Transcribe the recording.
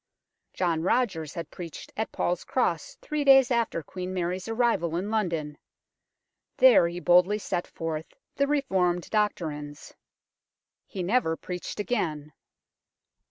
John Rogers had preached at Paul's Cross three days after Queen Mary's arrival in London. There he boldly set forth the Reformed doctrines. He never preached THE FIRES OF SMITHFIELD 181 again.